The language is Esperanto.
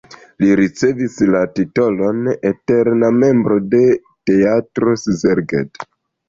Li ricevis la titolon "eterna membro de Teatro Szeged".